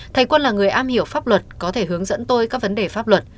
thầy quân là người am hiểu pháp luật có thể hướng dẫn tôi các vấn đề pháp luật